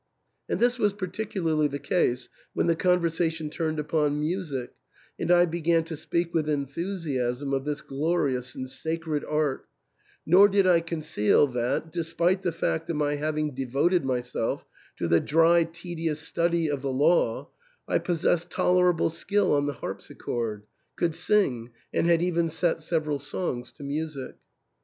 And this was particularly the case when the conversation turned upon music and I began to speak with enthusiasm of this glorious and sacred art ; nor did I conceal that, despite the fact of my having de voted myself to the dry tedious study of the law, I pos sessed tolerable skill on the harpsichord, could sing, and had even set several songs to music.